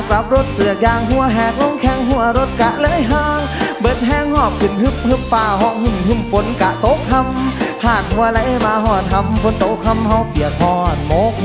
ร้องได้ให้ไลน์